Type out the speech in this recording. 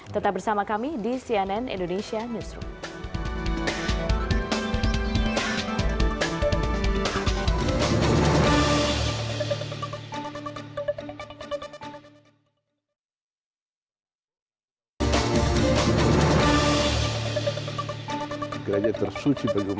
tetap bersama kami di cnn indonesia newsroom